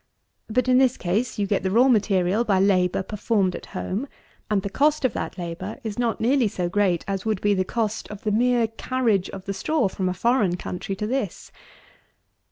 But, in this case, you get the raw material by labour performed at home, and the cost of that labour is not nearly so great as would be the cost of the mere carriage of the straw from a foreign country to this.